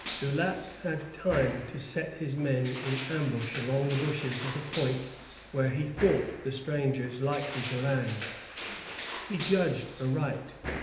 Daulao had time to set his men in ambush among the bushes at a point where he thought the strangers likely to land. He judged aright.